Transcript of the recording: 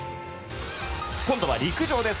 今度は陸上です。